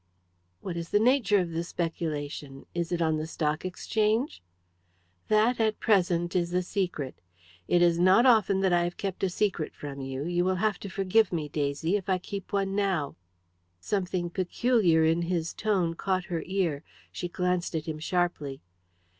"What is the nature of the speculation? Is it on the Stock Exchange?" "That, at present, is a secret. It is not often that I have kept a secret from you; you will have to forgive me, Daisy, if I keep one now." Something peculiar in his tone caught her ear. She glanced at him sharply.